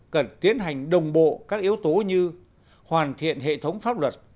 cần tiến hành đồng bộ các yếu tố như hoàn thiện hệ thống pháp luật